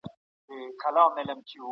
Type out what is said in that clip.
ځانګړي ډول له هيواد څخه بهر.